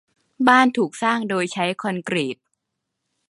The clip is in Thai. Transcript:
บ้านถูกสร้างโดยใช้คอนกรีต